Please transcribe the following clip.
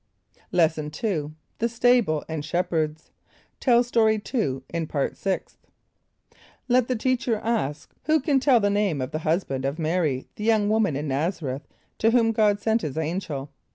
= Lesson II. The Stable and Shepherds. (Tell Story 2 in Part Sixth.) Let the teacher ask, "Who can tell the name of the husband of M[=a]´r[)y], the young woman in N[)a]z´a r[)e]th to whom God sent his angel?"